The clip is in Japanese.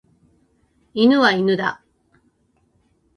犬は犬だ。